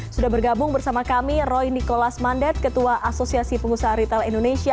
sudah bergabung bersama kami roy nikolas mandat ketua asosiasi pengusaha retail indonesia